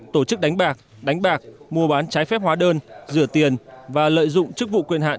tổ chức đánh bạc đánh bạc mua bán trái phép hóa đơn rửa tiền và lợi dụng chức vụ quyền hạn